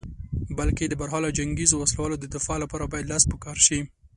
بلکې د برحاله جنګیزو وسلو د دفاع لپاره باید لاس په کار شې.